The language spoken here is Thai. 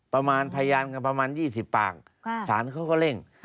พยานกันประมาณ๒๐ปากสารเขาก็เร่ง